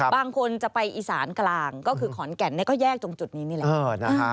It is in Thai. บางคนจะไปอีสานกลางก็คือขอนแก่นก็แยกตรงจุดนี้นี่แหละ